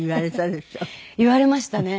言われましたね。